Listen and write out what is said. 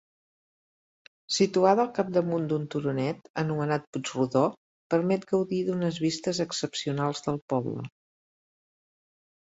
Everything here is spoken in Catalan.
Situada al capdamunt d'un turonet, anomenat Puig Rodó, permet gaudir d'unes vistes excepcionals del poble.